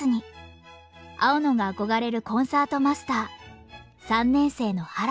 青野が憧れるコンサートマスター３年生の原田。